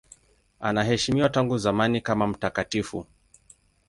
Anaheshimiwa tangu zamani kama mtakatifu.